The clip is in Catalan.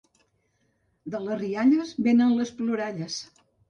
De les rialles vénen les ploralles.